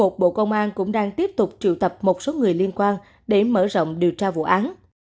bộ công an cũng đang tiếp tục triệu tập một số người liên quan để mở rộng điều tra vụ án